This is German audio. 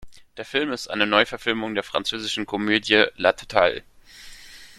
Der Film ist eine Neuverfilmung der französischen Komödie "La Totale".